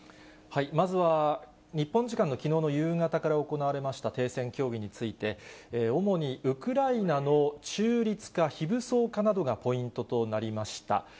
まずは日本時間のきのうの夕方から行われました停戦協議について、主にウクライナの中立化・非武装化などがポイントとなりました。